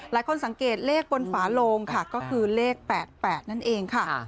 สังเกตเลขบนฝาโลงค่ะก็คือเลข๘๘นั่นเองค่ะ